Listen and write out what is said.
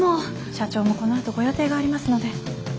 社長もこのあとご予定がありますので。